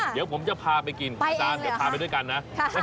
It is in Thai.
เดี๋ยวผมจะพาไปกินอาจารย์เดี๋ยวพาไปด้วยกันนะ